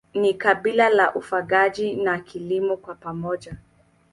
Ni kabila la ufugaji na kilimo kwa pamoja.